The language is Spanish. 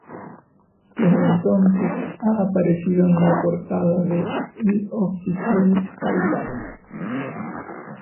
Desde entonces ha aparecido en la portada de L’Officiel Thailand.